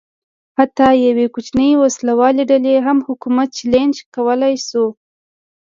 حتی یوې کوچنۍ وسله والې ډلې هم حکومت چلنج کولای شو.